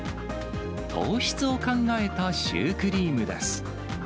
糖質を考えたシュークリームです。